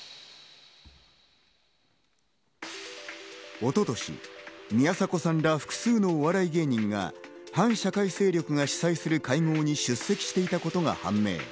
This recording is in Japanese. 一昨年、宮迫さんら複数のお笑い芸人が反社会勢力が主催する会合に出席していたことが判明。